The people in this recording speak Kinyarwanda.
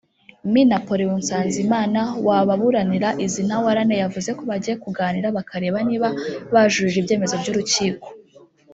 Me Napoleon Nsanzimana wababuranira izi Ntawarane yavuze ko bagiye kuganira bakareba niba bajuririra ibyemezo by’urukiko